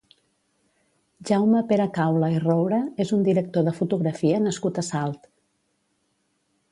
Jaume Peracaula i Roura és un director de fotografia nascut a Salt.